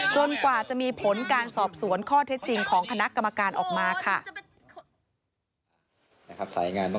กว่าจะมีผลการสอบสวนข้อเท็จจริงของคณะกรรมการออกมาค่ะ